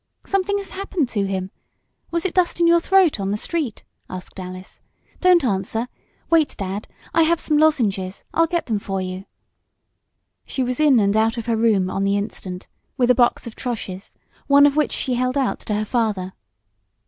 "Something has happened to him! Was it dust in your throat on the street?" asked Alice. "Don't answer wait, Dad! I have some lozenges. I'll get them for you!" She was in and out of her room on the instant, with a box of troches, one of which she held out to her father.